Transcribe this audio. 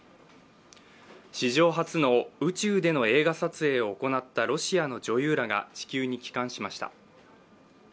史上初の宇宙での映画撮影を行ったロシアの女優らが地球に帰還しました。